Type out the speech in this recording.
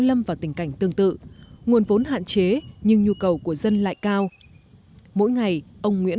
lâm vào tình cảnh tương tự nguồn vốn hạn chế nhưng nhu cầu của dân lại cao mỗi ngày ông nguyễn